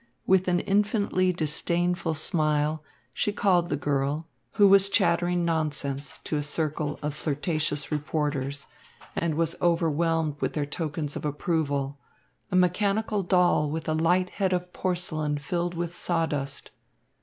With an infinitely disdainful smile, she called the girl, who was chattering nonsense to a circle of flirtatious reporters and was overwhelmed with their tokens of approval, "a mechanical doll with a light head of porcelain filled with sawdust."